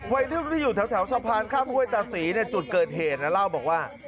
ไว้ที่อยู่แถวสะพานข้ามห้วยตาศรีจุดเกิดเหตุเราบอกว่า